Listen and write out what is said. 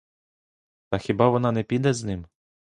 Та хіба вона не піде з ним?